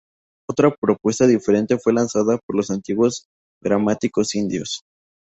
Otra propuesta diferente fue lanzada por los antiguos gramáticos indios.